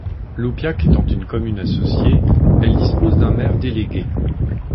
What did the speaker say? Loupiac étant une commune associée, elle dispose d'un maire délégué.